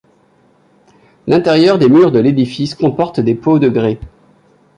L'intérieur des murs de l'édifice comporte des pots de grès.